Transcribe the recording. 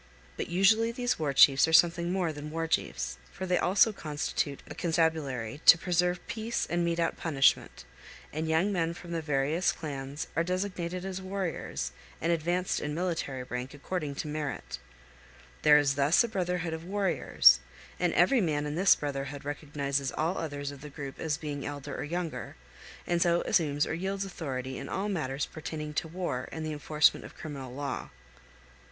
But usually these war chiefs are something more than war chiefs, for they also constitute a constabulary to preserve peace and mete out punishment; and young men from the various clans are designated as warriors 361 TO ZUÑI. 361 and advanced in military rank according to merit. There is thus a brotherhood of warriors, and every man in this brotherhood recognizes all others of the group as being elder or younger, and so assumes or powell canyons 229.jpg NAVAJO WOMAN SPINNING. 362 powell canyons 230.jpg A ROOM IN A ZUÑI HOUSE. TO ZUÑI. 363 yields authority in all matters pertaining to war and the enforcement of criminal law.